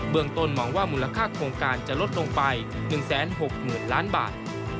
เมืองต้นมองว่ามูลค่าโครงการจะลดลงไป๑๖๐๐๐ล้านบาท